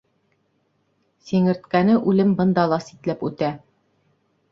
Сиңерткәне үлем бында ла ситләп үтә.